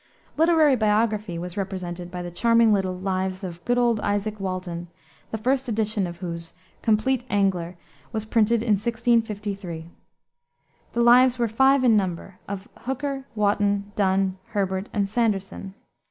Literary biography was represented by the charming little Lives of good old Izaak Walton, the first edition of whose Compleat Angler was printed in 1653. The lives were five in number, of Hooker, Wotton, Donne, Herbert, and Sanderson.